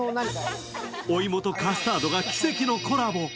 お芋とカスタードが奇跡のコラボ。